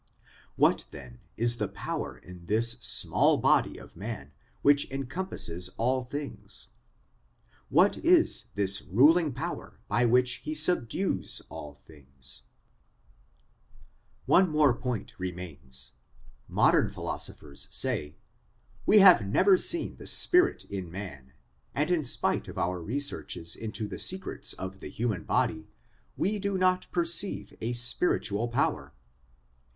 What, then, is the power in this small body of man which encompasses all this ? What is this ruling power by which he subdues all things ? One more point remains : modern philosophers say :* We have never seen the spirit in man, and in spite of our researches into the secrets of the human body, we do not perceive a spiritual power.